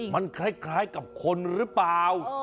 มันคล้ายกับคนหรือเปล่า